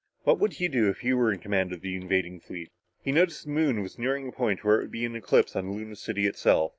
What would he do if he were in command of the invading fleet? He noticed the Moon was nearing a point where it would be in eclipse on Luna City itself.